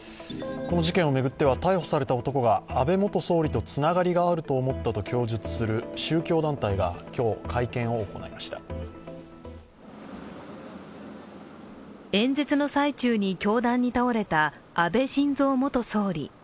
この事件を巡っては逮捕された男が、安倍元総理とつながりがあると思ったと供述する宗教団体が今日、会見を行いました演説の最中に凶弾に倒れた安倍晋三元総理。